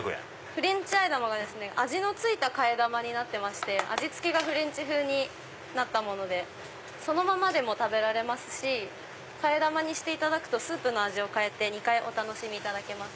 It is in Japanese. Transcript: フレンチ和玉が味の付いた替え玉になってまして味付きがフレンチ風になったものでそのままでも食べられますし替え玉にしていただくとスープの味を変えて２回お楽しみいただけます。